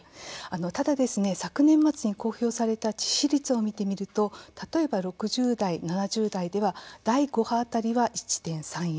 ただ、昨年末に公表された致死率を見てみると例えば６０代、７０代では第５波辺りは１．３４。